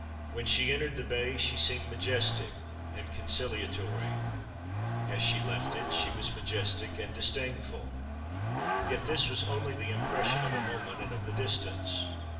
When she entered the bay she seemed majestic and conciliatory; as she left it, she was majestic and disdainful. Yet this was only the impression of a moment and of the distance.